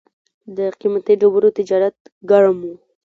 د قیمتي ډبرو تجارت ګرم و